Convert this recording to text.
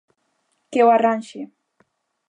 Que o arranxe.